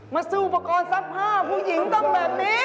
มาซื้อประกอบทรัพย์ผู้หญิงต้องแบบนี้